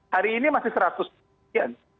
hari ini masih seratus sekian